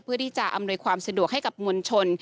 เพื่อที่จะอำนวยความสะดวกให้กับมวลชน